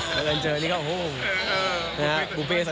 บังเอิญเจอนี่ก็โหนะฮะ